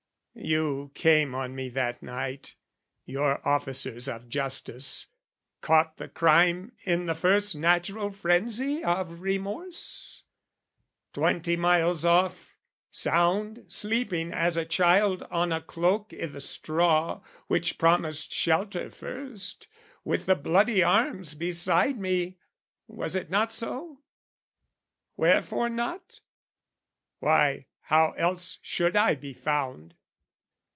You came on me that night, Your officers of justice, caught the crime In the first natural frenzy of remorse? Twenty miles off, sound sleeping as a child On a cloak i' the straw which promised shelter first, With the bloody arms beside me, was it not so? Wherefore not? Why, how else should I be found?